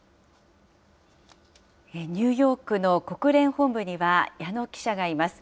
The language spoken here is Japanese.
ニューヨークの国連本部には、矢野記者がいます。